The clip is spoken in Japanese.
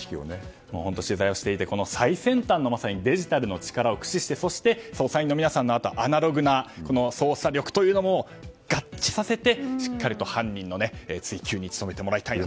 取材をしていて最先端のデジタルの力を駆使してそして、捜査員の皆さんのアナログな捜査力を合致させてしっかりと犯人の追及に努めてもらいたいなと。